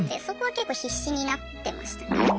そこは結構必死になってましたね。